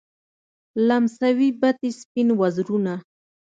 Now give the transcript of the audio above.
لمسوي بتې سپین وزرونه